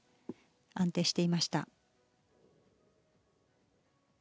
安定していました。